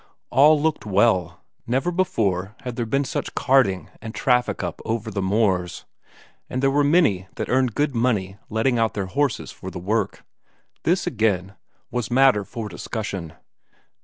All looked well; never before had there been such carting and traffic up over the moors, and there were many that earned good money letting out their horses for the work. This, again, was matter for discussion.